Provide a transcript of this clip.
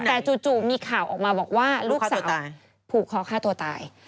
แต่จู่มีข่าวออกมาบอกว่าลูกสาวผูกคอฆ่าตัวตาย